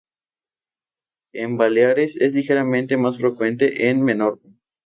En Baleares, es ligeramente más frecuente en Menorca.